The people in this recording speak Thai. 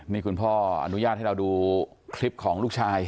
นี่คุณพ่ออนุญาตให้เราดูคลิปของลูกชาย